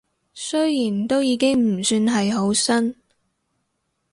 雖然都已經唔算係好新